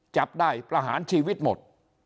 จับได้ประหารชีวิตหมด